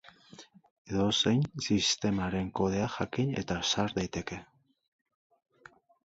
Edozein sistemaren kodea jakin eta sar daitezke.